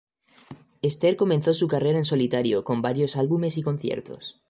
Esther comenzó su carrera en solitario con varios Álbumes y conciertos.